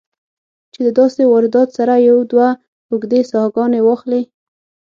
چې د داسې واردات سره يو دوه اوږدې ساهګانې واخلې